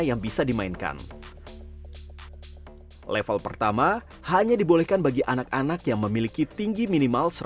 yang bisa dimainkan level pertama hanya dibolehkan bagi anak anak yang memiliki tinggi minimal